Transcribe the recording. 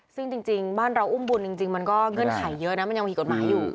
ซึ่งจริงบ้านเราอุ้มบุญจริงมันก็เงื่อนไขเยอะนะมันยังมีกฎหมายอยู่